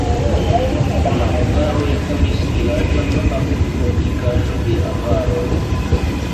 La hungaroj fondis vilaĝon apud fortikaĵo de avaroj.